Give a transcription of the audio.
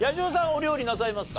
お料理なさいますか？